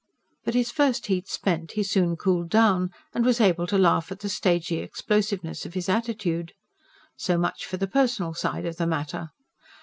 But his first heat spent he soon cooled down, and was able to laugh at the stagy explosiveness of his attitude. So much for the personal side of the matter.